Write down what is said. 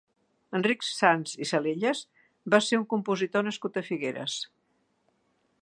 Enric Sans i Salellas va ser un compositor nascut a Figueres.